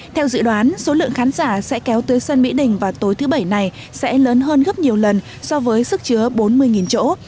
theo dự đoán số lượng khán giả sẽ kéo tới sân mỹ đình vào tối thứ bảy này sẽ lớn hơn gấp nhiều lần so với sức chứa bốn mươi chỗ